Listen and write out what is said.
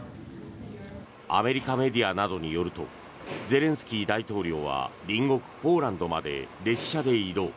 アメリカメディアなどによるとゼレンスキー大統領は隣国ポーランドまで列車で移動。